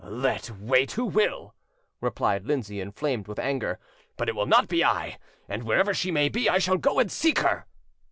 "Let wait who will," replied Lindsay, inflamed with anger; "but it will not be I, and wherever she may be, I shall go and seek her."